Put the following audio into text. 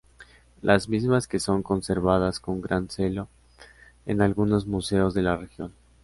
Las mismas que son conservadas con gran celo en algunos museos de la región.